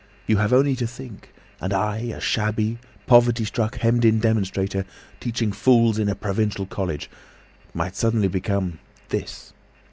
You have only to think! And I, a shabby, poverty struck, hemmed in demonstrator, teaching fools in a provincial college, might suddenly become—this.